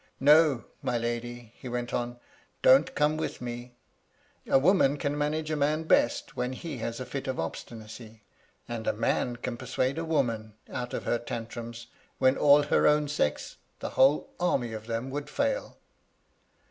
* No, my lady,' he went on, * don't come with me. A woman can manage a man best when he has a fit of obstinacy, and a man can persuade a woman out of her tantrums, when all her own sex, the whole army of them, would fail.